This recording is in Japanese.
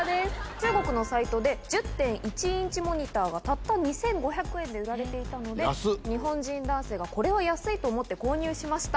中国のサイトで１０．１インチモニターがたった２５００円で売られていたので日本人男性がこれは安いと思って購入しました。